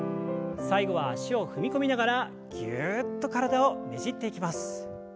最後は脚を踏み込みながらギュっと体をねじっていきます。